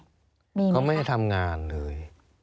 มีไหมครับเขาไม่ได้ทำงานเลยอ๋อ